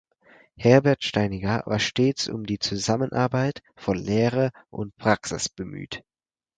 Herbert Steininger war stets um die Zusammenarbeit von Lehre und Praxis bemüht.